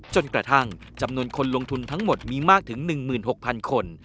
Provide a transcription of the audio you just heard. จนกระทั่งจำนวนคนลงทุนทั้งหมดมีมากถึง๑๖๐๐๐คน